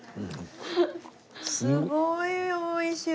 すごい美味しい！